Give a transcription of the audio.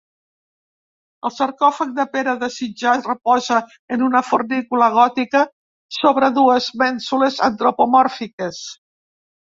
El sarcòfag de Pere de Sitjar reposa en una fornícula gòtica sobre dues mènsules antropomòrfiques.